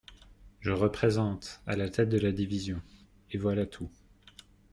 Je représente, à la tête de la division … Et voilà tout.